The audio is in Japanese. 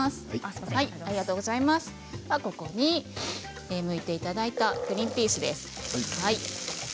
ここに、むいていただいたグリンピースです。